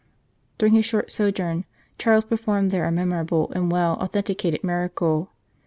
During his short sojourn Charles performed there a memorable and well authenticated miracle.